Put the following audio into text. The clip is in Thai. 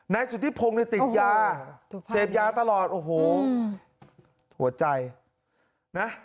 ในสุธิพงศ์ที่ติดยาเซฟยาตลอดโอ้โหหัวใจนะ